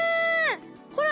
ほら。